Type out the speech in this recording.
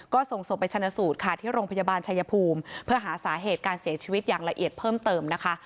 ก็ส่งศพไปชนะสูตรค่ะที่โรงพยาบาลชายภูมิเพื่อหาสาเหตุการเสียชีวิตอย่างละเอียดเพิ่มเติมนะคะ